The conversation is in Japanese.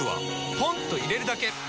ポンと入れるだけ！